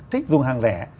thích dùng hàng rẻ